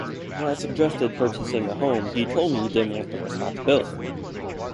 When I suggested purchasing a home, he told me he didn't want the responsibility.